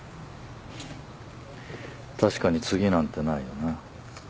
確かに次なんてないよな。